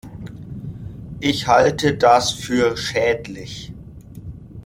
Ich halte das für schädlich!